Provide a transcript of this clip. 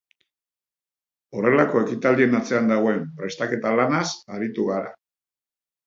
Horrelako ekitaldien atzean dagoen prestaketa lanaz aritu gara.